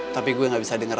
tapi gue gak bisa dengar